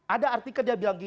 ada artikel dia bilang gini